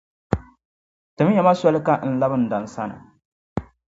timiya ma soli ka n labi n dan’ sani.